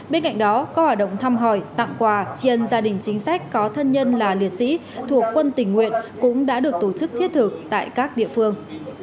bên cạnh đó có hoạt động thăm hỏi tặng quà chiên gia đình chính sách có thân nhân là liệt sĩ thuộc quân tình nguyện cũng đã được tổ chức thiết thực tại các địa phương